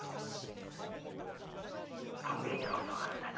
「考えてることがあんだ」。